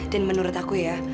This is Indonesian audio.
dan menurut aku ya